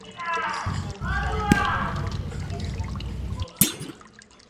აღსანიშნავია ის გარემოება, რომ ამ დროს იგი ცხრა თვის ორსული იყო.